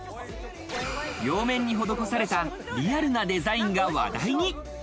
両面に施されたリアルなデザインが話題に。